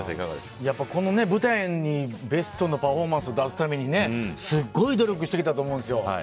この舞台にベストのパフォーマンスを出すためにすごい努力してきたと思うんですよ。